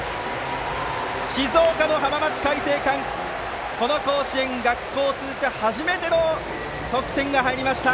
静岡の浜松開誠館この甲子園、学校を通じて初めての得点が入りました。